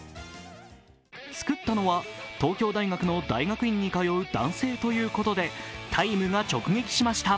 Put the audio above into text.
作ったのは、東京大学の大学院に通う男性ということで、「ＴＩＭＥ，」が直撃しました。